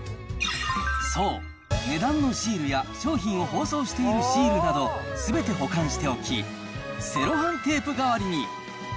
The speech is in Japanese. そう、値段のシールや商品を包装しているシールなど、すべて保管しておき、セロハンテープ代わりに。